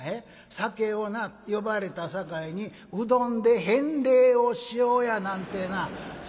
酒をな呼ばれたさかいにうどんで返礼をしようやなんてなそんな気を遣たらいかん」。